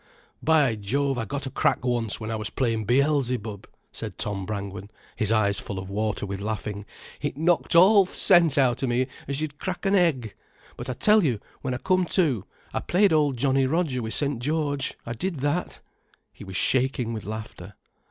"By Jove, I got a crack once, when I was playin' Beelzebub," said Tom Brangwen, his eyes full of water with laughing. "It knocked all th' sense out of me as you'd crack an egg. But I tell you, when I come to, I played Old Johnny Roger with St. George, I did that." He was shaking with laughter.